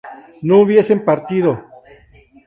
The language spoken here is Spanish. no hubiesen partido